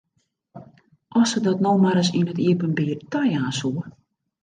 As se dat no mar ris yn it iepenbier tajaan soe!